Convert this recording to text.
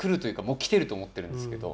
もう来てると思ってるんですけど。